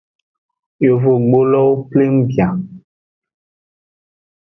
Yovogbulowo pleng bia.